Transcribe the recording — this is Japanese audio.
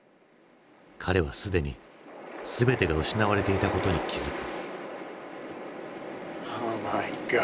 彼はすでに全てが失われていたことに気付く。